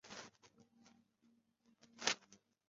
另一个受关注的问题是澳门居民的去留。